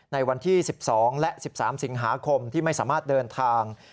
ในวันที่๑๒และ๑๓สิงหาคมที่ไม่สามารถเดินทาง